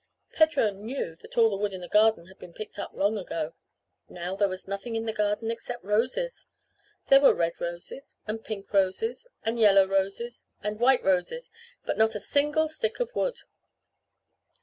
Pedro knew that all the wood in the garden had been picked up long ago. Now there was nothing in the garden except roses. There were red roses and pink roses and yellow roses and white roses, but not a single stick of wood.